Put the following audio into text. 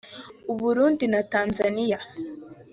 u Burundi na Tanzaniya